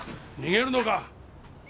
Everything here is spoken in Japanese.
逃げるのか！？